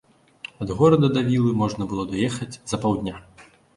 Ад горада да вілы можна было даехаць за паўдня.